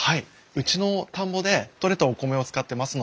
うちの田んぼで取れたお米を使ってますので。